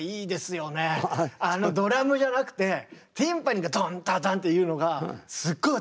あのドラムじゃなくてティンパニーがドンドドンっていうのがすっごい